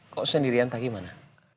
kau sendiri antah bagaimana